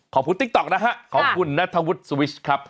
ขอบคุณติ๊กต๊อกนะฮะขอบคุณณธวุฒิสวิชครับ